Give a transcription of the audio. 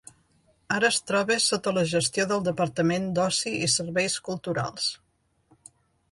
Ara es troba sota la gestió del Departament d"Oci i Serveis Culturals.